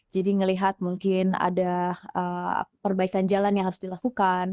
jadi melihat mungkin ada perbaikan jalan yang harus dilakukan